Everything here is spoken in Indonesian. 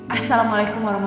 assalamualaikum wr wb